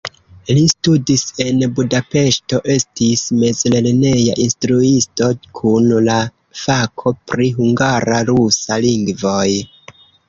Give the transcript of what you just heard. Li studis en Budapeŝto, estis mezlerneja instruisto kun la fako pri hungara-rusa lingvoj.